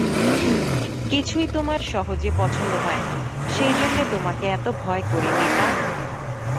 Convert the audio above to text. কিছুই তোমার সহজে পছন্দ হয় না, সেইজন্যে তোমাকে এত ভয় করি মিতা!